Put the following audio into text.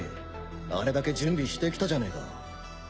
あれだけ準備してきたじゃねえか。